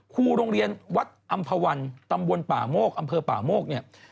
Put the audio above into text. ครูโรงเรียนวัดอำภาวันตำบลป่าโมกอำเภอป่าโมกเนี่ย